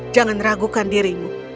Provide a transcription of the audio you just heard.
jangan ragukan dirimu